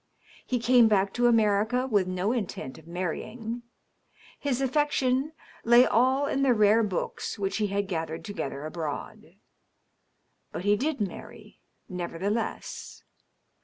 He came back to America with no intent of marrying. His affection lay all in the rare books which he had gathered together abroad. But he did marry, nevertheless.